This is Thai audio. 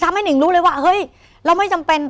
หนิ่งรู้เลยว่าเฮ้ยเราไม่จำเป็น